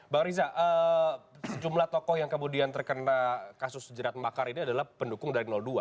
bang riza sejumlah tokoh yang kemudian terkena kasus jerat makar ini adalah pendukung dari dua